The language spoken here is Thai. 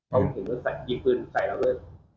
เขาถึงก็ใส่กินปืนใส่แล้วเลย